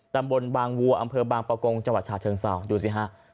ตำบลบางวัวอำเภอบางประกงจังหวัดฉาเชิงเศร้าดูสิฮะ